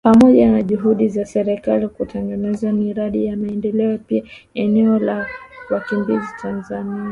Pamoja na juhudi za Serikali kutekeleza miradi ya maendeleo pia eneo la wakimbizi Tanzania